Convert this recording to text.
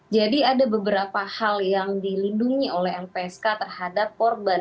jadi ada beberapa hal yang dilindungi oleh lpsk terhadap korban